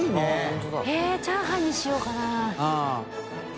神田）えっチャーハンにしようかな。